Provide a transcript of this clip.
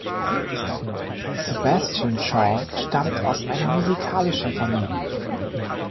Sebastian Shaw stammt aus einer musikalischen Familie.